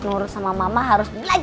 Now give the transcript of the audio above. nurut sama mama harus belajar sama mama